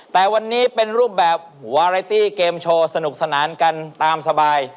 แต่วันนี้เป็นรูปแบบวาไรตี้เกมโชว์สนุกสนานกันตามสบาย